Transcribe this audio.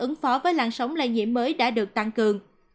ứng phó với làn sóng lây nhiễm mới đã được tăng cường